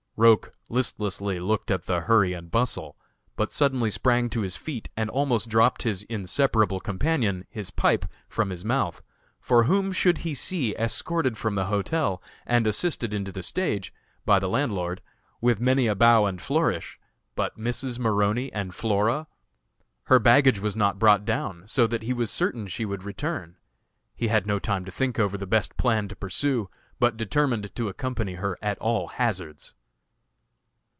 Roch listlessly looked at the hurry and bustle, but suddenly sprang to his feet, and almost dropped his inseparable companion his pipe from his mouth, for whom should he see escorted from the hotel, and assisted into the stage, by the landlord, with many a bow and flourish, but Mrs. Maroney and Flora? Her baggage was not brought down, so that he was certain she would return. He had no time to think over the best plan to pursue, but determined to accompany her at all hazards.